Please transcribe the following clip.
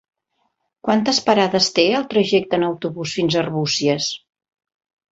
Quantes parades té el trajecte en autobús fins a Arbúcies?